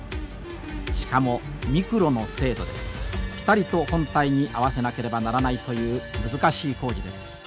しかもミクロの精度でぴたりと本体に合わせなければならないという難しい工事です。